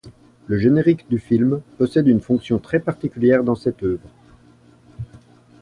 Le générique du film possède une fonction très particulière dans cette œuvre.